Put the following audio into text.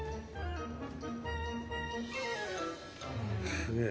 すげえ。